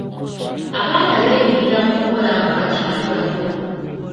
Abaana beenyigira mu kukola nga bakyali bato.